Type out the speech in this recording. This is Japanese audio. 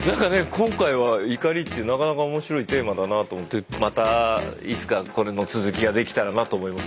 今回は「怒り」ってなかなか面白いテーマだなと思ってまたいつかこれの続きができたらなと思います。